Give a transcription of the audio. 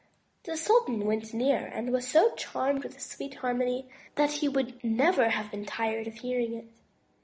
The sultan went nearer and was so charmed with the sweet harmony that he would never have been tired of hearing it.